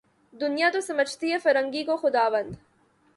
دنیا تو سمجھتی ہے فرنگی کو خداوند